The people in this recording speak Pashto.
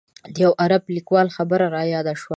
د یوه عرب لیکوال خبره رایاده شوه.